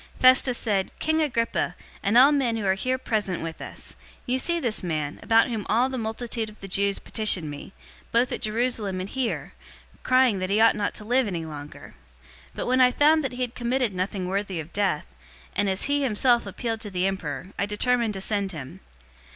025:024 Festus said, "King Agrippa, and all men who are here present with us, you see this man, about whom all the multitude of the Jews petitioned me, both at Jerusalem and here, crying that he ought not to live any longer. 025:025 But when I found that he had committed nothing worthy of death, and as he himself appealed to the emperor I determined to send him.